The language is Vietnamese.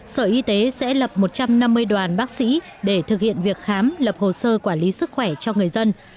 sở y tế sẽ lập một trăm năm mươi đoàn bác sĩ để thực hiện việc khám lập hồ sơ quản lý sức khỏe cho người dân